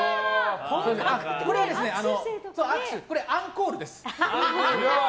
これはアンコールです。